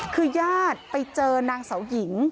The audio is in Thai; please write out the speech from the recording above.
คือญาติไปเจอนางเสาหญิง